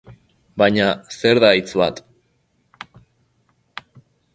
Baina zer da hitz bat?